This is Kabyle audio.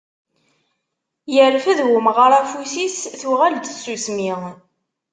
Yerfed umɣar afus-is tuɣal-d tsusmi.